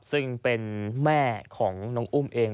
ซึ่งเป็นแม่ของน้องอุ้มเอง